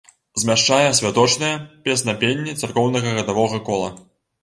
Змяшчае святочныя песнапенні царкоўнага гадавога кола.